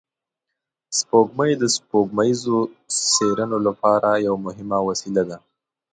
سپوږمۍ د سپوږمیزو څېړنو لپاره یوه مهمه وسیله ده